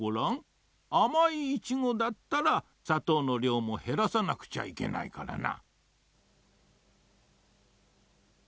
あまいイチゴだったらさとうのりょうもへらさなくちゃいけないからな。